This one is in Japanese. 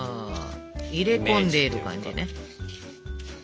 入れ込んでいる感じね。